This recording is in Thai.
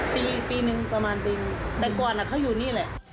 ประมาณปีนึงแต่ก่อนเขาอยู่นี่แหละ